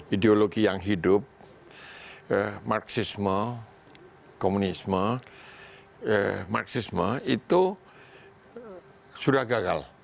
ideologi yang hidup marxisme komunisme marxisme itu sudah gagal